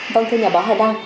vâng thưa nhà báo hà đăng